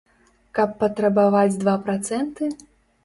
Каб патрабаваць два працэнты?